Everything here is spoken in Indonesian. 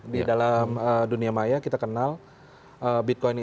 di dalam dunia maya kita kenal bitcoin